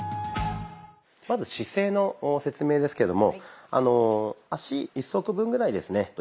まず姿勢の説明ですけども足１足分ぐらいですね